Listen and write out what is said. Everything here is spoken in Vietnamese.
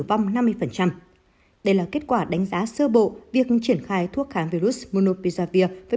vong năm mươi đây là kết quả đánh giá sơ bộ việc triển khai thuốc kháng virus monopizavir với